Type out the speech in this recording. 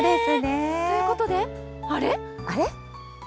ということで、あれ？